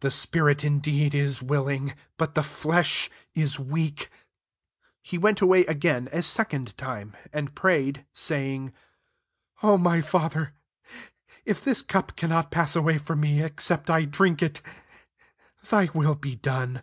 The spirit indeed is willing, but the flesh w weak." 42 He went , away again a second time, and pray ed, saying, " O my Father, if this [cu/i] cannot pass away \yrom mei] except I drink it, thy will be done."